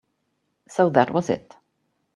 So that was it.